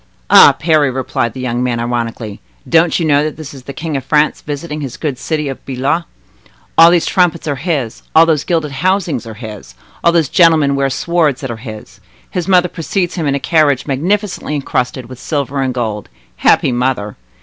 "Ah! Parry," replied the young man ironically, "don't you know that this is the King of France visiting his good city of Blois? All these trumpets are his, all those gilded housings are his, all those gentlemen wear swords that are his. His mother precedes him in a carriage magnificently encrusted with silver and gold. Happy mother!